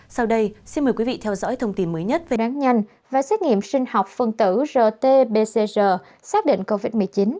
sau đây xin mời quý vị theo dõi thông tin mới nhất về đoán nhanh và xét nghiệm sinh học phân tử rt pcr xác định covid một mươi chín